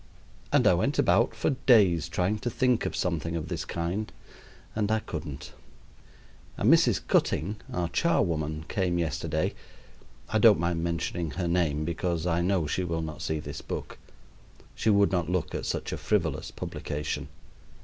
And I went about for days, trying to think of something of this kind; and I couldn't. And Mrs. Cutting, our charwoman, came yesterday I don't mind mentioning her name, because I know she will not see this book. She would not look at such a frivolous publication.